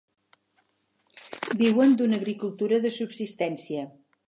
Viuen d'una agricultura de subsistència.